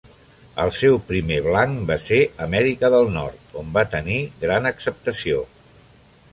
El seu primer blanc va ser Amèrica del Nord, on va tenir gran acceptació.